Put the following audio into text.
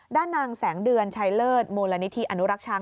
ด้านนางแสงเดือนชัยเลิศมูลนิธิอนุรักษ์ช้าง